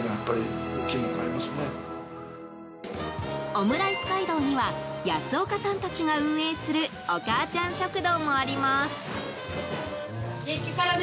オムライス街道には安岡さんたちが運営するお母ちゃん食堂もあります。